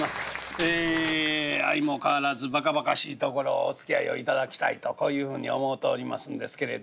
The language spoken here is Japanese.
え相も変わらずばかばかしいところをおつきあいを頂きたいとこういうふうに思うておりますんですけれど。